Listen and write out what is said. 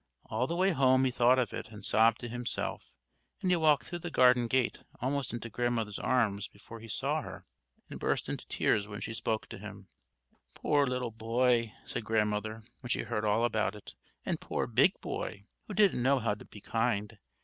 All the way home he thought of it and sobbed to himself, and he walked through the garden gate almost into Grandmother's arms before he saw her, and burst into tears when she spoke to him. "Poor little boy!" said Grandmother, when she had heard all about it; "and poor big boy, who didn't know how to be kind!